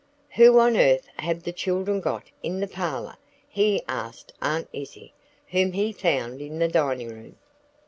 "Who on earth have the children got in the parlor?" he asked Aunt Izzie, whom he found in the dining room.